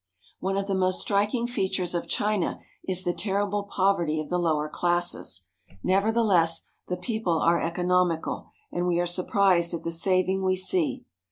One of the most striking features of China is the terrible poverty of the lower classes. Nevertheless, the people are economical, and we are surprised at the saving we see.